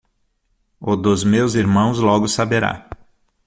O dos meus irmãos logo saberá.